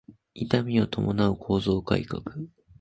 痛みを伴う構造改革